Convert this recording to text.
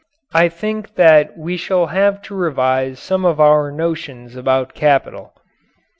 I think that we shall have to revise some of our notions about capital.